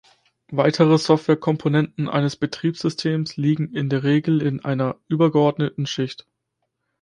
Weitere Softwarekomponenten eines Betriebssystems liegen in der Regel in einer übergeordneten Schicht.